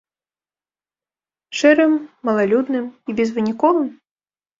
Шэрым, малалюдным і безвыніковым?